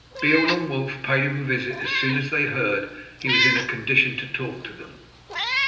Beorn and Wulf paid him a visit as soon as they heard that he was in a condition to talk to them.